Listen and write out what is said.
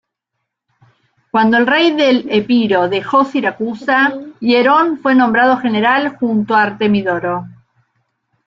Cuando el rey del Epiro dejó Siracusa, Hierón fue nombrado general junto a Artemidoro.